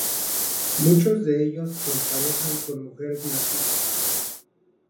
Muchos de ellos se emparejan con mujeres nativas.